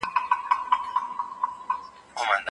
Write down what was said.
ایا ملي بڼوال کاغذي بادام پروسس کوي؟